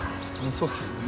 そうっすね。